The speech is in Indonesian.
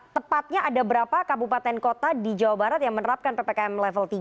tepatnya ada berapa kabupaten kota di jawa barat yang menerapkan ppkm level tiga